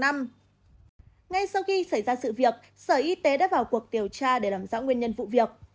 ngay sau khi xảy ra sự việc sở y tế đã vào cuộc điều tra để làm rõ nguyên nhân vụ việc